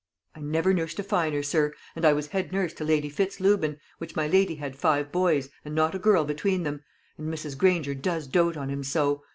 "I never nursed a finer, sir; and I was head nurse to Lady Fitz Lubin, which my lady had five boys, and not a girl between them; and Mrs. Granger does dote on him so.